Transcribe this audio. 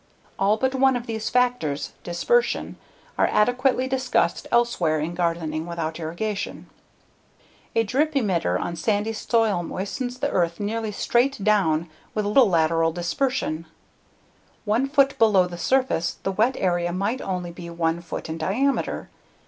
All but one of these factors dispersion are adequately discussed elsewhere in Gardening Without Irrigation. A drip emitter on sandy soil moistens the earth nearly straight down with little lateral dispersion; 1 foot below the surface the wet area might only be 1 foot in diameter.